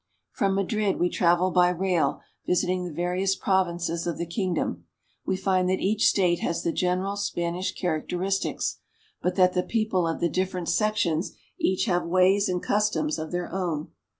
From Madrid we travel by rail, visiting the various provinces of the kingdom. We find that each state has the general Spanish characteristics, but that the people of the different sections each have ways and customs of their own.